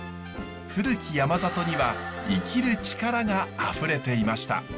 古き山里には生きる力があふれていました。